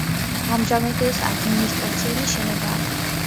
ამჟამად ეს ადმინისტრაციული შენობაა.